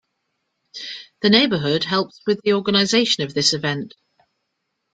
The neighbourhood helps with the organization of this event.